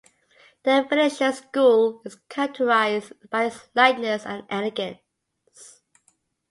The Venetian School is characterized by its lightness and elegance.